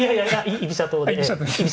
居飛車党ではい。